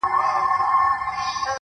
هغه چي ماته يې په سرو وینو غزل ليکله;